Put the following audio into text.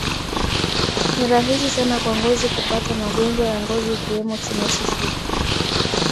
Ni rahisi sana kwa ngozi kupata magonjwa ya ngozi ikiwemo chunusi sugu